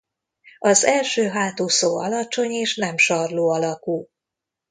Az első hátúszó alacsony és nem sarló alakú.